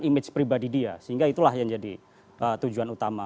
image pribadi dia sehingga itulah yang jadi tujuan utama